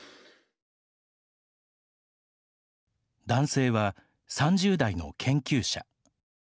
男性は、３０代の研究者。